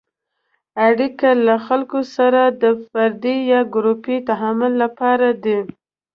اړیکې له خلکو سره د فردي یا ګروپي تعامل لپاره دي.